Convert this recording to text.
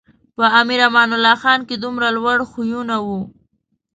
په امیر امان الله خان کې دومره لوړ خویونه و.